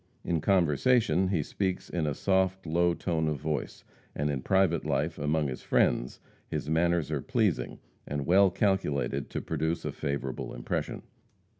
In conversation, he speaks in a soft, low tone of voice, and in private life, among his friends, his manners are pleasing, and well calculated to produce a favorable impression.